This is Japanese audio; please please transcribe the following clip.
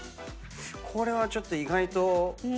これはちょっと意外と。